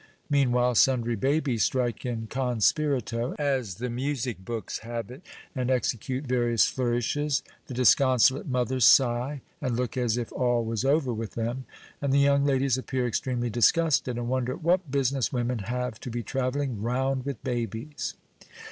Meanwhile, sundry babies strike in "con spirito," as the music books have it, and execute various flourishes; the disconsolate mothers sigh, and look as if all was over with them; and the young ladies appear extremely disgusted, and wonder "what business women have to be travelling round with babies."